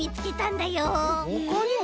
ほかにも？